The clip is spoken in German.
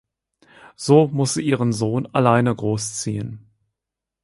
So muss sie ihren Sohn alleine großziehen.